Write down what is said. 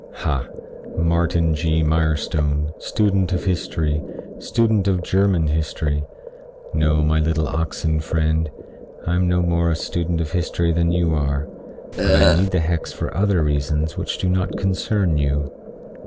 "Ha Martin G. Mirestone, student of history, student of German history. No my little oxen friend. I am no more a student of history than you are, but I need the hex for other reasons which do not concern you."